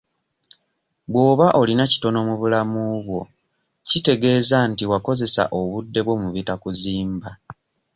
Bw'oba olina kitono mu bulamu bwo kitegeeza nti wakozesa obudde bwo mu bitakuzimba.